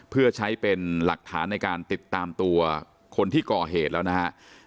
เพื่อใช้เป็นหลักฐานในการติดตามตัวคนที่ก่อเหตุแล้วนะครับ